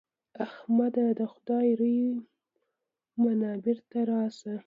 احمده! د خدای روی منه؛ بېرته راشه.